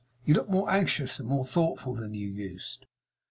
You look more anxious and more thoughtful than you used.